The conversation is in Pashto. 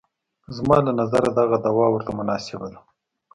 زما له نظره دغه دوا ورته مناسبه ده.